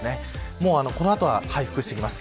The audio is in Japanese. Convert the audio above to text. もうこの後は回復してきます。